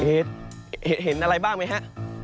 เห็นอะไรบ้างไหมฮะ